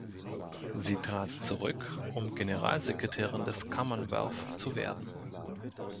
Sie trat zurück, um Generalsekretärin des Commonwealth zu werden.